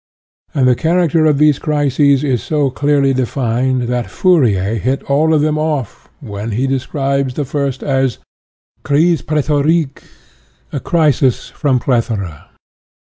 And the character of these crises is so clearly defined that Fourier hit all of them off, when he described the first as " crise plethorique," a crisis from plethora.